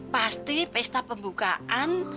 pasti pesta pembukaan